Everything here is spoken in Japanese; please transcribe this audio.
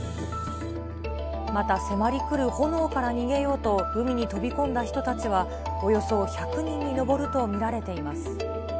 また、迫り来る炎から逃げようと海に飛び込んだ人たちは、およそ１００人に上ると見られています。